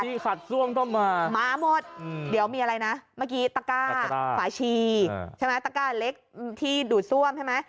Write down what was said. มีขัดซ่วมต้องมามาหมดเดี๋ยวมีอะไรนะเมื่อกี้ตะก้าฝาชีใช่ไหมตะก้าเล็กที่ดูดซ่วมใช่ไหม